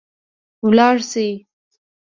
ولاړ سئ